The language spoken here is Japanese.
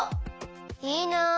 いいな！